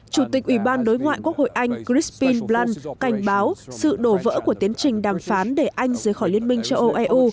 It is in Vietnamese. chủ tịch ủy ban đối ngoại quốc hội anh christpine blan cảnh báo sự đổ vỡ của tiến trình đàm phán để anh rời khỏi liên minh châu âu eu